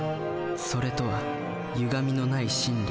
「それ」とはゆがみのない真理。